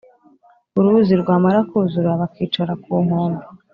Uruzi rwamara kuzura bakicara kunkombe.